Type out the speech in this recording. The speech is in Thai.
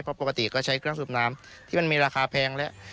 เพราะปกติก็ใช้เครื่องสูบน้ำที่มันมีราคาแพงแล้ว